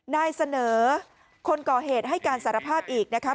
นายเสนอคนก่อเหตุให้การสารภาพอีกนะคะ